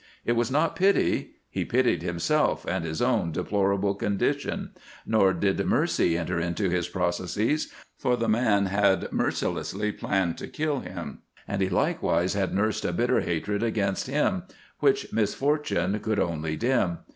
It was not pity; he pitied himself, and his own deplorable condition; nor did mercy enter into his processes, for the man had mercilessly planned to kill him, and he likewise had nursed a bitter hatred against him, which misfortune could only dim.